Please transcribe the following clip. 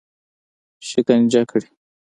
شکنجه کړي.